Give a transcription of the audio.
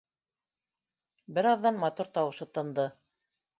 Бер аҙҙан мотор тауышы тынды